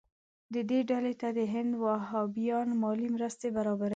دې ډلې ته د هند وهابیان مالي مرستې برابروي.